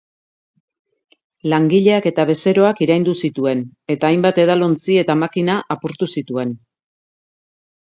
Langileak eta bezeroak iraindu zituen, eta hainbat edalontzi eta makina apurtu zituen.